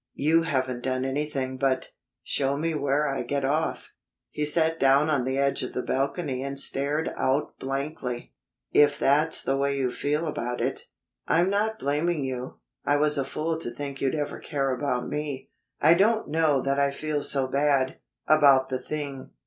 "You haven't done anything but show me where I get off." He sat down on the edge of the balcony and stared out blankly. "If that's the way you feel about it " "I'm not blaming you. I was a fool to think you'd ever care about me. I don't know that I feel so bad about the thing.